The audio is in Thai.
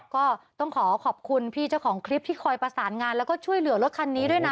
ก็ต้องขอขอบคุณพี่เจ้าของคลิปที่คอยประสานงานแล้วก็ช่วยเหลือรถคันนี้ด้วยนะ